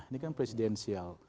ini kan presidensial